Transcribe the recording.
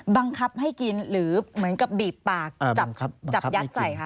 บังคับให้กินหรือเหมือนกับบีบปากจับยัดใส่ค่ะ